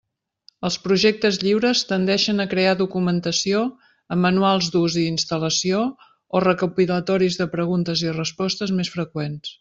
Els projectes lliures tendeixen a crear documentació amb manuals d'ús i instal·lació o recopilatoris de preguntes i respostes més freqüents.